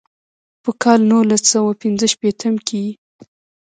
پۀ کال نولس سوه پينځه شپيتم کښې ئې